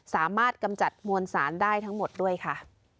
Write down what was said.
กำจัดมวลสารได้ทั้งหมดด้วยค่ะ